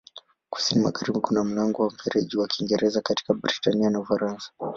Kusini-magharibi kuna mlango wa Mfereji wa Kiingereza kati ya Britania na Ufaransa.